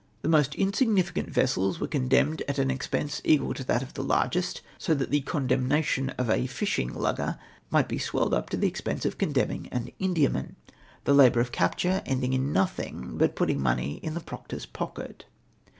The most insignificant vessels Avere condemned at an expense equal to that of the largest, so that the condemnation of a fishing higger might he swelled up to the expense of con demning an Indiamau, the lahoiu of capture ending in nothing but putting money into the proctor's pocket.